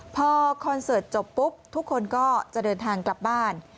พอคอนเสิร์ตจบปุ๊บทุกคนก็จะเดินทางกลับบ้าน